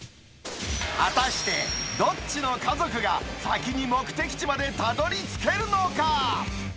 果たしてどっちの家族が先に目的地までたどりつけるのか。